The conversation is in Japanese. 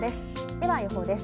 では、予報です。